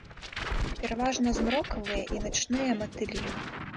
Пераважна змрокавыя і начныя матылі.